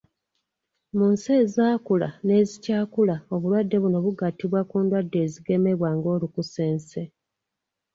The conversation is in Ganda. Mu nsi ezaakula n'ezikyakula obulwadde buno bugattibwa ku ndwadde ezigemebwa nga olukusense